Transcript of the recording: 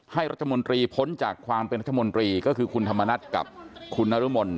ให้รัฐมนตรีพ้นจากความเป็นรัฐมนตรีก็คือคุณธรรมนัฐกับคุณนรมน